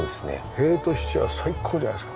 塀としちゃ最高じゃないですか。